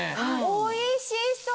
おいしそう！